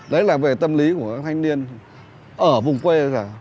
đấy là về tâm lý của các thanh niên ở vùng quê